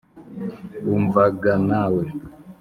umva ga nawe